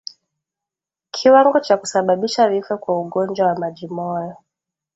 Kiwango cha kusababisha vifo kwa ugonjwa wa majimoyo